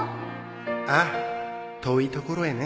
ああ遠い所へね